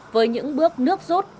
với những bước nước rút